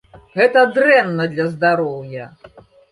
Гэта дрэнна для здароўя.